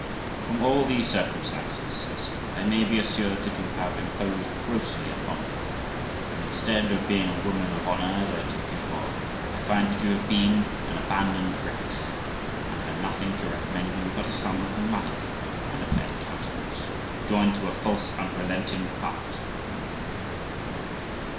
From all these circumstances', says he, 'I may be assured that you have imposed grossly upon me, and, instead of being a woman of honour as I took you for, I find that you have been an abandoned wretch, and had nothing to recommend you but a sum of money and a fair countenance, joined to a false unrelenting heart.'